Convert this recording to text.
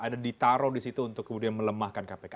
ada ditaruh di situ untuk kemudian melemahkan kpk